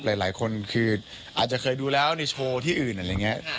หลายคนคืออาจจะเคยดูแล้วในโชว์ที่อื่นอะไรอย่างนี้